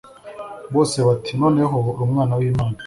bose bati noneho uri umwana w imana